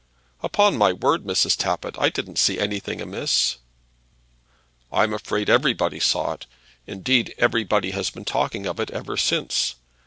"Upon my word, Mrs. Tappitt, I didn't see anything amiss." "I'm afraid everybody saw it. Indeed, everybody has been talking of it ever since.